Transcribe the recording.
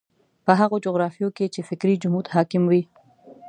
په هغو جغرافیو کې چې فکري جمود حاکم وي.